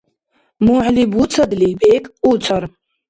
МухӀли буцадли, бекӀ уцар.